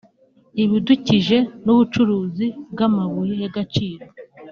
ibidukije n’ubucuruzi bw’amabuye y’agaciro)